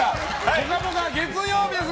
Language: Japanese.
「ぽかぽか」月曜日です。